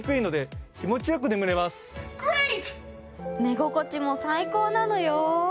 寝心地も最高なのよ。